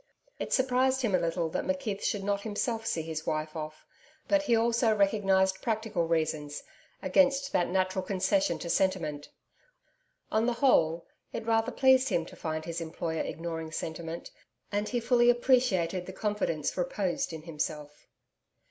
It surprised him a little that McKeith should not himself see his wife off; but he also recognised practical reasons against that natural concession to sentiment. On the whole, it rather pleased him to find his employer ignoring sentiment, and he fully appreciated the confidence reposed in himself.